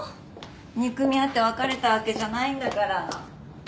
憎み合って別れたわけじゃないんだから。